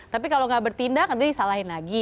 tapi kalau nggak bertindak nanti disalahin lagi